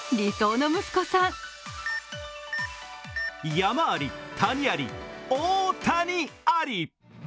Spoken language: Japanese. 山あり谷あり、大谷あり。